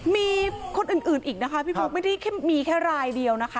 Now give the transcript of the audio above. มีคนอื่นอีกนะคะพี่ปุ๊กไม่ได้มีแค่รายเดียวนะคะ